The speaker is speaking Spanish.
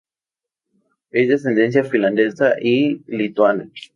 Es de ascendencia finlandesa y lituana.